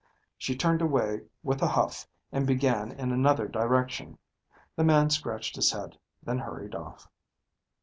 She turned away with a huff and began in another direction. The man scratched his head, then hurried off.